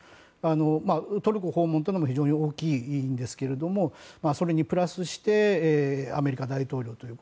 トルコ訪問も非常に大きいんですけれどもそれにプラスしてアメリカ大統領。